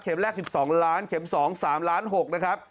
แรก๑๒ล้านเข็ม๒๓ล้าน๖นะครับ